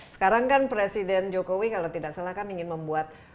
sekarang kan presiden jokowi kalau tidak salah kan ingin membuat